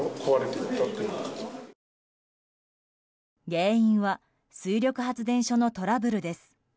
原因は水力発電所のトラブルです。